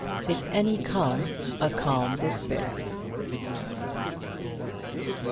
"IF ANY CALM, A CALM DESPAIR."